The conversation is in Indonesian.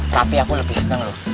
tapi aku lebih seneng loh